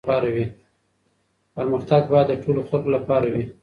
پرمختګ باید د ټولو خلګو لپاره وي.